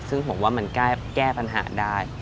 ซึ่งผมว่ามันแก้ปัญหาได้